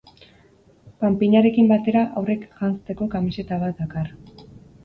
Panpinarekin batera haurrek janzteko kamiseta bat dakar.